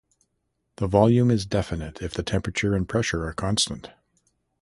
The volume is definite if the temperature and pressure are constant.